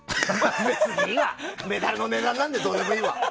まあ、メダルの値段なんてどうでもいいや。